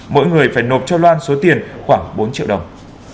mỗi người phải nộp cho loan số tiền khoảng bốn triệu đồng